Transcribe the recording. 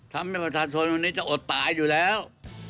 ทำให้ประชาชนวันนี้จะอดตายอยู่แล้ว